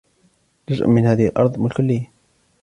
جزء من هذه الأرض ملك لي.